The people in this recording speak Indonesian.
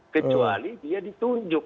kecuali dia ditunjuk